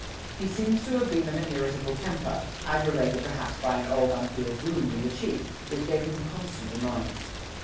He seems to have been of an irritable temper, aggravated perhaps by an old unhealed wound in the cheek, which gave him constant annoyance.